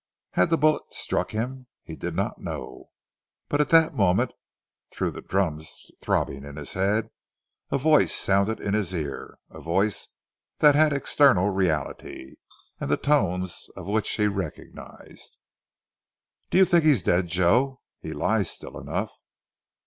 Had the bullet struck him? He did not know, but at that moment through the drums throbbing in his head, a voice sounded in his ears, a voice that had external reality, and the tones of which he recognized. "Do you think he's dead, Joe? He lies still enough."